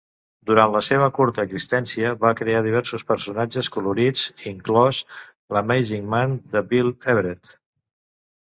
Durant la seva curta existència, van crear diversos personatges colorits, inclòs l'Amazing-Man de Bill Everett.